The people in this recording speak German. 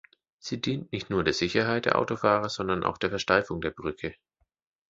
Sie dient nicht nur der Sicherheit der Autofahrer, sondern auch der Versteifung der Brücke.